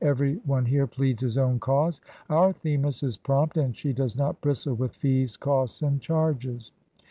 Every one here pleads his own cause. Our Themis is prompt, and she does not bristle with fees, costs, and charges.